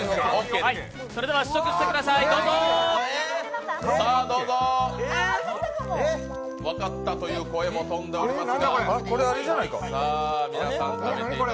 それでは試食してください、どうぞ！分かったという声も飛んでおります。